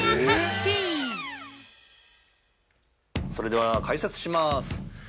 ◆それでは解説しまーす。